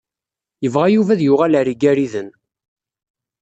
Yebɣa Yuba ad yuɣal ɣer Igariden.